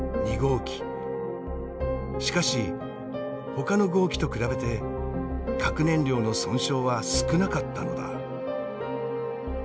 しかしほかの号機と比べて核燃料の損傷は少なかったのだ。